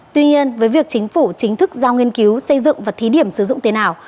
tuy nhiên với việc chính phủ chính thức giao nghiên cứu xây dựng và thí điểm sử dụng tiền ảo